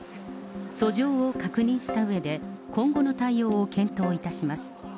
訴状を確認したうえで、今後の対応を検討いたします。